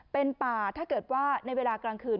เป็นป่าถ้าเกิดว่าในเวลากลางคืน